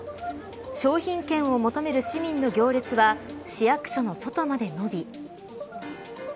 商品券を求める市民の行列は市役所の外まで伸び。